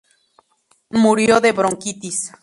Murió de bronquitis.